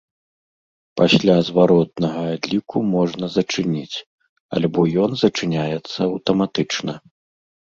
Пасля зваротнага адліку можна зачыніць альбо ён зачыняецца аўтаматычна.